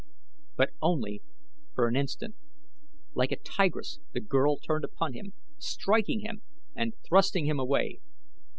But only for an instant. Like a tigress the girl turned upon him, striking him, and thrusting him away.